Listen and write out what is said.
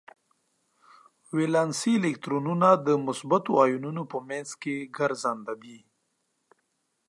ولانسي الکترونونه د مثبتو ایونونو په منځ کې ګرځننده دي.